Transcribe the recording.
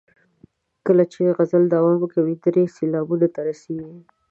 کله چې غزل دوام کوي درې سېلابونو ته رسیږي.